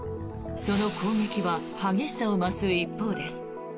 その攻撃は激しさを増す一方です。